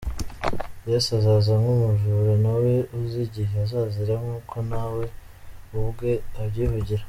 Yesu azaza nk’umujura, ntawe uzi igihe azazira nkuko nawe ubwe abyivugira.